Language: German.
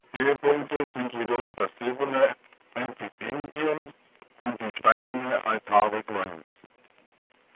Höhepunkte sind jedoch das silberne Antependium und die steinerne Altarrückwand.